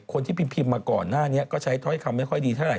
คนที่พิมพ์มาก่อนหน้านี้ก็ใช้ถ้อยคำไม่ค่อยดีเท่าไห